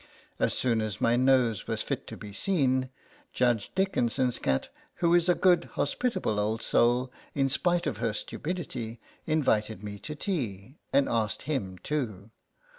As soon as my nose was fit to be seen, Judge Dickin son's cat, who is a good, hospitable old soul, in spite of her stupidity, invited me to tea, and asked him too.